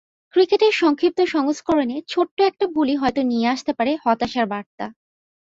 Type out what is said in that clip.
ক্রিকেটের সংক্ষিপ্ত সংস্করণে ছোট্ট একটা ভুলই হয়তো নিয়ে আসতে পারে হতাশার বার্তা।